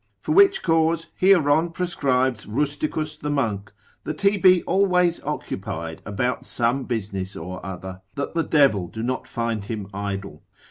For which cause Hieron prescribes Rusticus the monk, that he be always occupied about some business or other, that the devil do not find him idle.